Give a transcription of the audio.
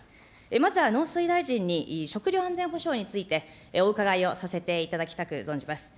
まずは農水大臣に食料安全保障についてお伺いをさせていただきたく存じます。